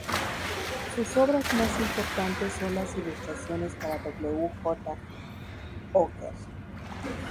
Sus obras más importantes son las ilustraciones para W. J. Hooker.